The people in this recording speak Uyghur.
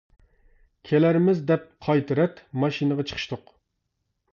كېلەرمىز دەپ قايتا رەت، ماشىنىغا چىقىشتۇق.